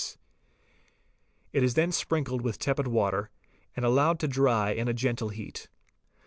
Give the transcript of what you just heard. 1% is then sprinkled with tepid water, and allowed to dry in a gentle heat.